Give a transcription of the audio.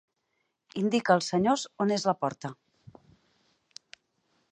Indica als senyors on és la porta.